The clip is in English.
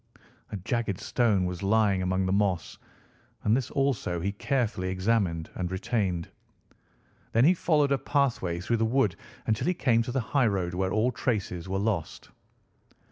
A jagged stone was lying among the moss, and this also he carefully examined and retained. Then he followed a pathway through the wood until he came to the highroad, where all traces were lost.